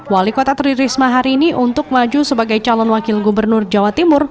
wali kota tririsma hari ini untuk maju sebagai calon wakil gubernur jawa timur